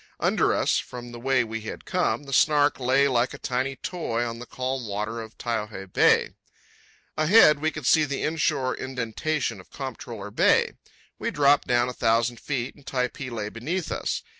Under us, from the way we had come, the Snark lay like a tiny toy on the calm water of Taiohae Bay. Ahead we could see the inshore indentation of Comptroller Bay. We dropped down a thousand feet, and Typee lay beneath us.